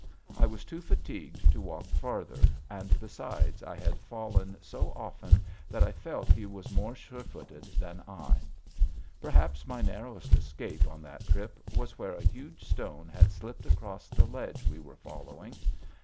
I was too fatigued to walk farther, and, besides, I had fallen so often that I felt he was more sure footed than I. Perhaps my narrowest escape on that trip was where a huge stone had slipped across the ledge we were following.